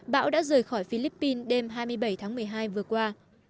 bão đã rời khỏi philippines đêm hai mươi bảy tháng một mươi hai vừa qua